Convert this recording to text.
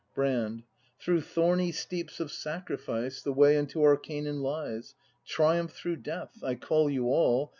^ Brand. Through thorny steeps of sacrifice, The way unto our Canaan lies. Triumph through death! I call you all.